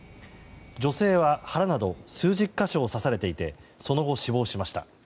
女性は腹など数十か所を刺されていてその後、死亡しました。